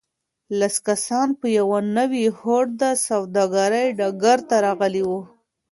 لس کسان په یوه نوي هوډ د سوداګرۍ ډګر ته راغلي وو.